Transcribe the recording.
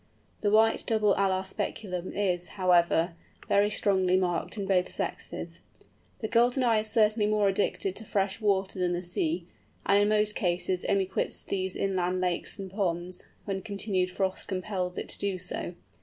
The white double alar speculum is, however, very strongly marked in both sexes. The Golden Eye is certainly more addicted to fresh water than the sea, and in most cases only quits these inland lakes and ponds, when continued frost compels it to do so.